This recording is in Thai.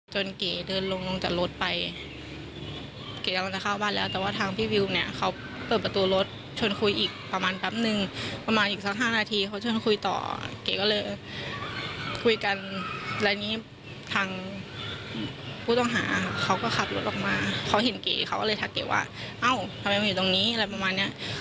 เก๋เดินลงลงจากรถไปเก๋กำลังจะเข้าบ้านแล้วแต่ว่าทางพี่วิวเนี่ยเขาเปิดประตูรถชวนคุยอีกประมาณแป๊บนึงประมาณอีกสัก๕นาทีเขาชวนคุยต่อเก๋ก็เลยคุยกันแล้วนี้ทางผู้ต้องหาเขาก็ขับรถออกมาเขาเห็นเก๋เขาก็เลยทักเก๋ว่าเอ้าทำไมมาอยู่ตรงนี้อะไรประมาณเนี้ย